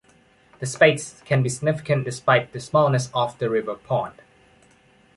The spates can be significant despite the smallness of the river pond.